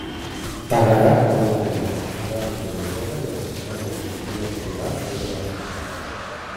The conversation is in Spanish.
Pagará por dos delitos: tráfico de droga y asesinato del testigo federal Jairo García.